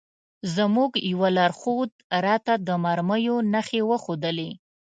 زموږ یوه لارښود راته د مرمیو نښې وښودلې.